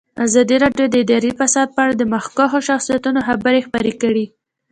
ازادي راډیو د اداري فساد په اړه د مخکښو شخصیتونو خبرې خپرې کړي.